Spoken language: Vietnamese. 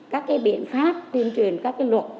các biện pháp tuyên truyền các luật